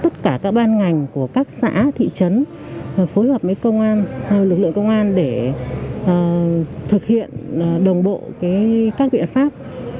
thực hiện đồng bộ các biện pháp